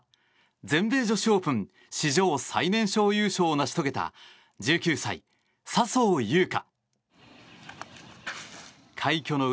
全米女子オープン史上最年少優勝を成し遂げた１９歳、笹生優花。